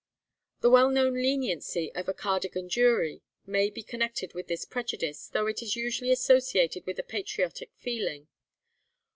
The well known leniency of a 'Cardigan jury' may be connected with this prejudice, though it is usually associated with a patriotic feeling.